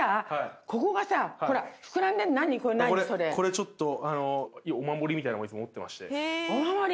これこれちょっとあのお守りみたいのをいつも持ってましてお守り？